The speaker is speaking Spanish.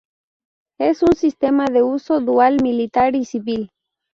Es un sistema de uso dual militar y civil.